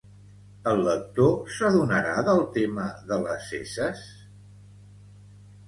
El lector s'adonarà del tema de les esses?